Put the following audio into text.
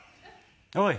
おい！